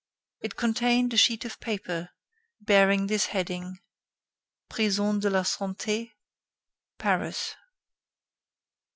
It contained a sheet of paper, bearing this heading: Prison de la Santé, Paris.